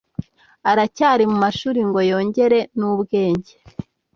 aracyari mu mashuri ngo yongere n’ ubwenge